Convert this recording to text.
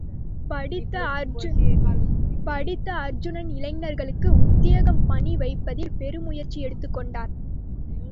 படித்த ஹரிஜன் இளைஞர்களுக்கு உத்யோகம் பண்ணி வைப்பதில் பெருமுயற்சி எடுத்துக் கொண்டார்.